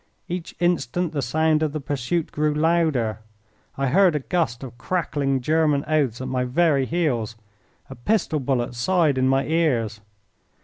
Each instant the sound of the pursuit grew louder. I heard a gust of crackling German oaths at my very heels. A pistol bullet sighed in my ears.